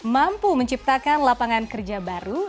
mampu menciptakan lapangan kerja baru